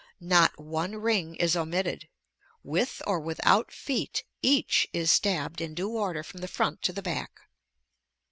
Not one ring is omitted; with or without feet each is stabbed in due order from the front to the back."